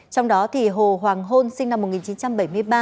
trong đó hồ hoàng hôn sinh năm một nghìn chín trăm bảy mươi ba